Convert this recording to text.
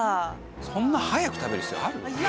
そんな速く食べる必要ある？